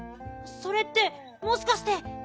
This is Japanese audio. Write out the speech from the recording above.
それってもしかして。